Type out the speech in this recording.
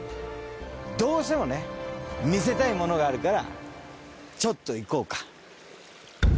どうしてもね見せたいものがあるからちょっと行こうか。